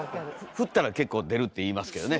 振ったら結構出るっていいますけどね。